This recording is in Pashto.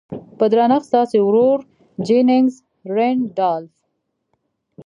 په درنښت ستاسې ورور جيننګز رينډالف.